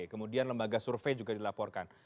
kemudian lembaga survei juga dilaporkan